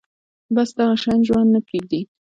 بس دغه شان ژوند نه پرېږدي